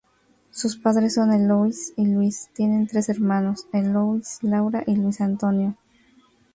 Sus padres son Eloisa y Luís, tiene tres hermanos, Eloisa, Laura y Luis Antonio.